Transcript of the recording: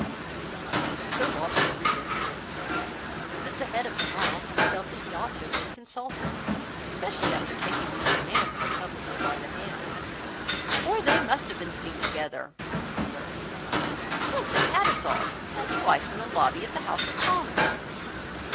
Sir Walter had resented it. As the head of the house, he felt that he ought to have been consulted, especially after taking the young man so publicly by the hand; "For they must have been seen together," he observed, "once at Tattersall's, and twice in the lobby of the House of Commons."